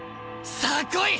さあ来い！